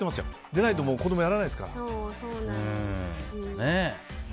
でないと子供はやらないですから。